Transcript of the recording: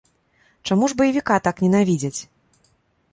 Чаму ж баевіка так ненавідзяць?